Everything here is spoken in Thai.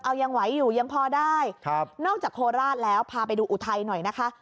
เอายังไหวอยู่ยังพอได้ครับนอกจากโคราชแล้วพาไปดูอุทัยหน่อยนะคะ